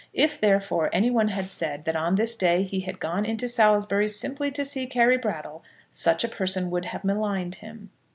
If, therefore, anyone had said that on this day he had gone into Salisbury simply to see Carry Brattle, such person would have maligned him.